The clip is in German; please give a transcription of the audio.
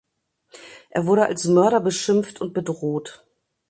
Er wurde als Mörder beschimpft und bedroht.